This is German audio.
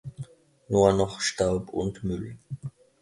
Nur noch Staub und Müll.